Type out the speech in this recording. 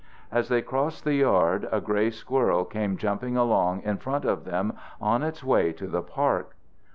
As they crossed the yard, a gray squirrel came jumping along in front of them on its way to the park.